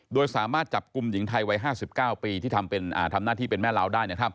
โดยสามารถจับกลุ่มหญิงไทยวัย๕๙ปีที่ทำหน้าที่เป็นแม่เล้าได้